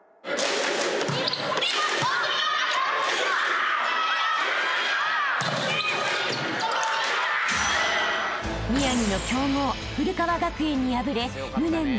［宮城の強豪古川学園に敗れ無念の準決勝敗退］